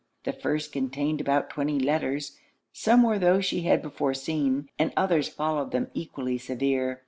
The first contained about twenty letters. Some were those she had before seen, and others followed them equally severe.